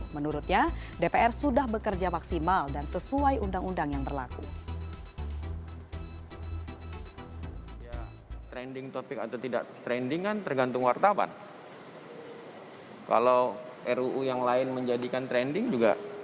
menurutnya dpr sudah bekerja maksimal dan sesuai undang undang yang berlaku